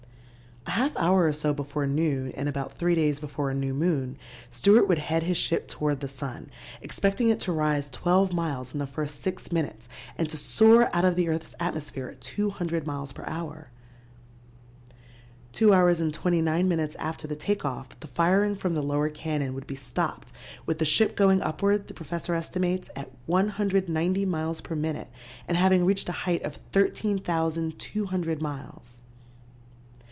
A half hour or so before noon and about three days before a new moon, Stewart would head his ship toward the sun, expecting it to rise twelve miles in the first six minutes and to soar out of the earth's atmosphere at 200 miles per hour. Two hours and 29 minutes after the take off the firing from the lower cannon would be stopped with the ship going upward, the professor estimates, at 190 miles per minute and having reached a height of 13,200 miles.